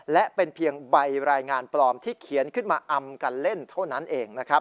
และเป็นเพียงใบรายงานปลอมที่เขียนขึ้นมาอำกันเล่นเท่านั้นเองนะครับ